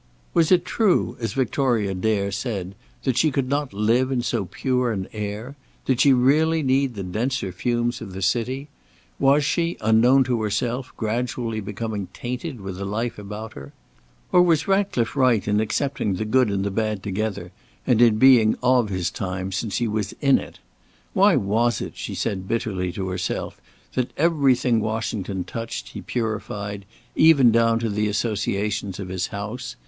Was it true, as Victoria Dare said, that she could not live in so pure an air? Did she really need the denser fumes of the city? Was she, unknown to herself; gradually becoming tainted with the life about her? or was Ratcliffe right in accepting the good and the bad together, and in being of his time since he was in it? Why was it, she said bitterly to herself; that everything Washington touched, he purified, even down to the associations of his house?